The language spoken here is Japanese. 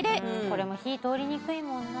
これも火通りにくいもんな。